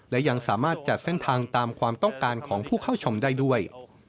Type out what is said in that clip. และยังสามารถจัดเส้นทางตามความต้องการของผู้เข้าชมได้ด้วย